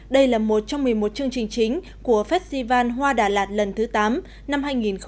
đây là một trong một mươi một chương trình chính của festival hoa đà lạt lần thứ tám năm hai nghìn một mươi chín